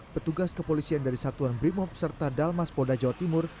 petugas kepolisian dari satuan brimob serta dalmas polda jawa timur